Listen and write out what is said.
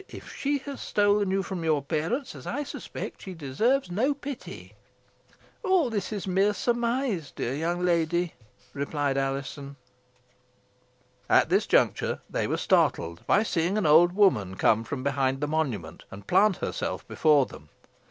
If she has stolen you from your parents, as I suspect, she deserves no pity." "All this is mere surmise, dear young lady," replied Alizon. At this juncture they were startled, by seeing an old woman come from behind the monument and plant herself before them.